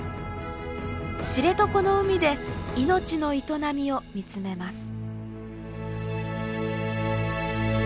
知床の海で命の営みを見つめます。